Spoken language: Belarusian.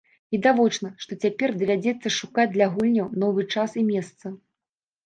Відавочна, што цяпер давядзецца шукаць для гульняў новы час і месца.